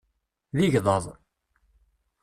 D igḍaḍ.